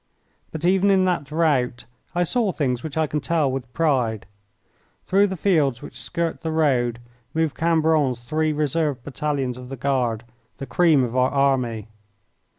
But even in that rout I saw things which I can tell with pride. Through the fields which skirt the road moved Cambronne's three reserve battalions of the Guard, the cream of our army.